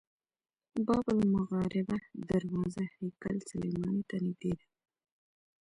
باب المغاربه دروازه هیکل سلیماني ته نږدې ده.